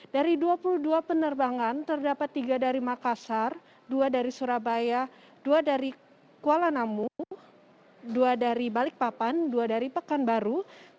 dari dua puluh dua penerbangan terdapat tiga dari makassar dua dari surabaya dua dari kuala namu dua dari balikpapan dua dari pekanbaru